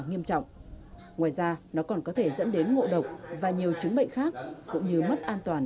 nghiêm trọng ngoài ra nó còn có thể dẫn đến ngộ độc và nhiều chứng bệnh khác cũng như mất an toàn